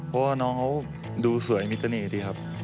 เพราะว่าน้องเขาดูสวยมีเสน่ห์ดีครับ